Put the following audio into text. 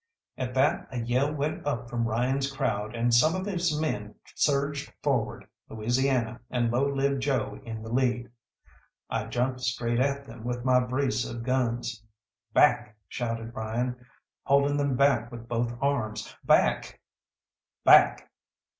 At that a yell went up from Ryan's crowd, and some of his men surged forward, Louisiana and Low Lived Joe in the lead. I jumped straight at them with my brace of guns. "Back!" shouted Ryan, holding them back with both arms. "Back!